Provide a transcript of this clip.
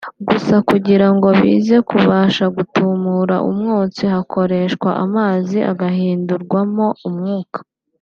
Gusa kugira ngo bize kubasha gutumura umwotsi hakoreshwa amazi agahindurwamo umwuka (vapeur)